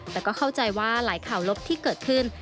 แต่ก็เข้าใจว่าหลายข่าวลบที่เกิดขึ้น